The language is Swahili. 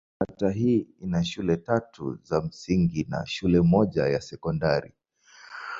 Kata hii ina shule tatu za msingi na shule moja ya sekondari.